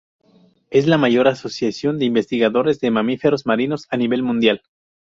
Es la mayor asociación de investigadores de mamíferos marinos a nivel mundial.